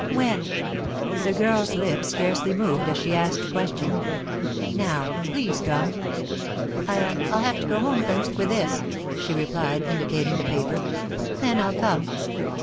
"When?" The girl's lips scarcely moved as she asked the question. "Now. Please come." "I'll I'll have to go home first, with this," she replied, indicating the paper. "Then I'll come."